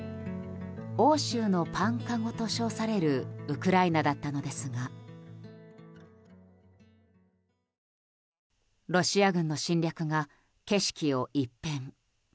欧州のパンかごと称されるウクライナだったのですがロシア軍の侵略が景色を一変。